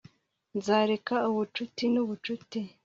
nzareka ubucuti n'ubucuti